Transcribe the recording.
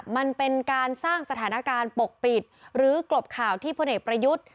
มันเป็นการสร้างสถานการณ์ปกปิดหรือกลบข่าวที่พลเอกประยุทธ์